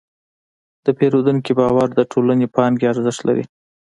د پیرودونکي باور د ټولې پانګې ارزښت لري.